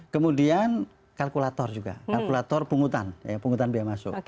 kemudian kalkulator juga kalkulator pungutan pungutan biaya masuk